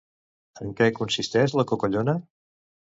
En què consisteix la Cocollona?